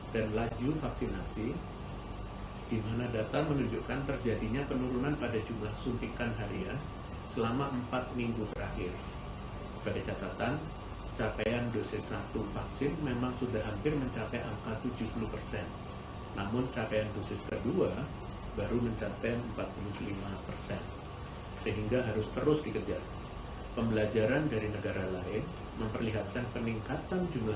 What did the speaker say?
dari stkap sebagai penutup saya akan mengupdate kebijakan baru terkait durasi karantina